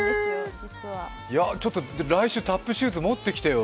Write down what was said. ちょっと来週、タップシューズ持ってきてよ。